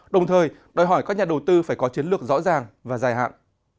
đồng thời đòi hỏi các nhà đầu tư phải có chiến lược rõ ràng và dài hạn